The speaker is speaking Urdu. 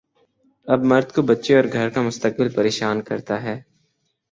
اب مرد کو بچے اور گھر کا مستقبل پریشان کرتا ہے۔